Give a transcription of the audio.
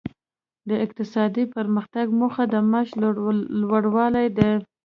د اقتصادي پرمختګ موخه د معاش لوړوالی دی.